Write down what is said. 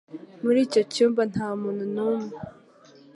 Muri icyo cyumba nta muntu n'umwe